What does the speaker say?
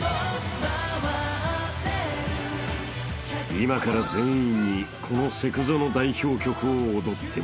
［今から全員にこのセクゾの代表曲を踊ってもらう］